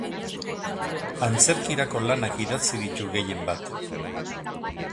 Antzerkirako lanak idatzi ditu gehienbat.